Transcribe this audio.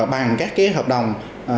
bằng các cái hợp đồng